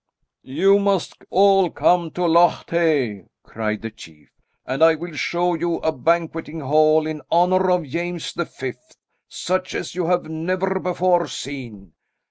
"] "You must all come to Loch Tay," cried the chief, "and I will show you a banqueting hall in honour of James the Fifth, such as you have never before seen."